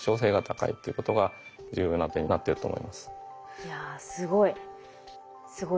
いやすごい。